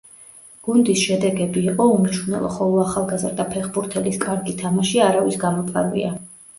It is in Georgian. გუნდის შედეგები იყო უმნიშვნელო, ხოლო ახალგაზრდა ფეხბურთელის კარგი თამაში არავის გამოპარვია.